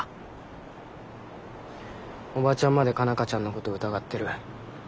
オバチャンまで佳奈花ちゃんのことを疑ってる。